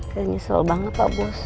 kayak nyesel banget pak bos